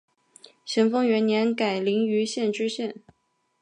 咸丰元年改临榆县知县。